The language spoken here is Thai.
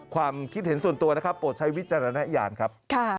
ความคิดเห็นส่วนตัวนะครับโปรดใช้วิจารณญาณครับ